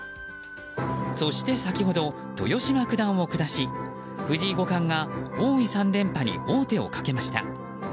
そして、先ほど豊島九段を下し藤井五冠が王位３連覇に王手をかけました。